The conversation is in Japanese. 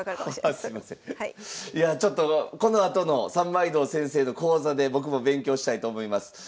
いやあちょっとこのあとの三枚堂先生の講座で僕も勉強したいと思います。